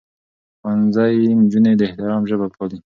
ښوونځی نجونې د احترام ژبه پالي.